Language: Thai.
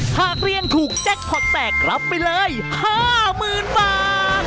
หากเรียนถูกแจ็คพอร์ตแตกรับไปเลย๕๐๐๐บาท